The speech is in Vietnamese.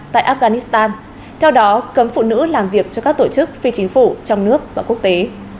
tại afghanistan theo đó cấm phụ nữ làm việc cho các tổ chức phi chính phủ trong nước và quốc tế